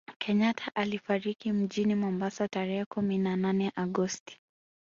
kenyatta alifariki mjini Mombasa tarehe kumi na nane agosti